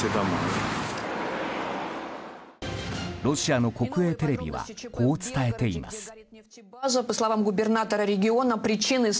ロシアの国営テレビはこう伝えています。